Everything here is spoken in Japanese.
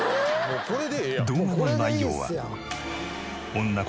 動画の内容は。